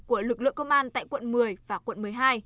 của lực lượng công an tại quận một mươi và quận một mươi hai